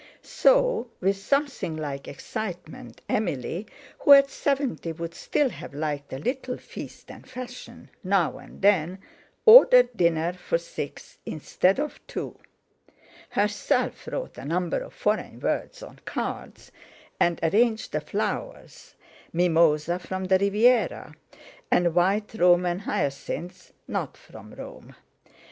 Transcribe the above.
So with something like excitement Emily—who at seventy would still have liked a little feast and fashion now and then—ordered dinner for six instead of two, herself wrote a number of foreign words on cards, and arranged the flowers—mimosa from the Riviera, and white Roman hyacinths not from Rome.